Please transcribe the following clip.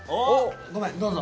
ごめんどうぞ。